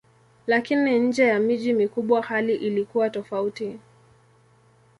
Lakini nje ya miji mikubwa hali ilikuwa tofauti.